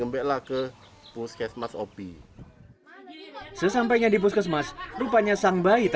belum sampai puskesmas lah sudah ya